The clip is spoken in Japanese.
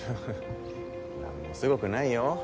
何もすごくないよ。